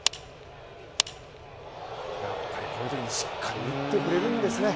やっぱりこういうときにしっかり打ってくれるんですね。